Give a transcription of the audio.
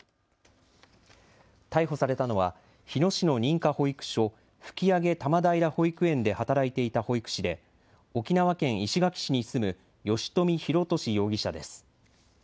逮捕されたのは日野市の認可保育所、吹上多摩平保育園で働いていた保育士で沖縄県石垣市に住む吉冨弘敏容疑者です。